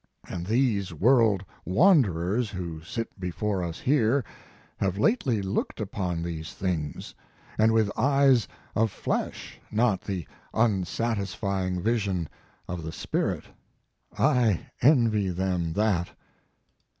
And these world wanderers who sit before us here have lately looked upon these things! and with eyes of flesh, not the unsatisfying vision of the spirit. I envy them that!"